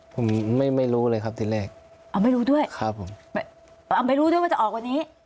ผมไม่รู้เลยครับที่แรกไม่รู้ด้วยมันจะออกวันนี้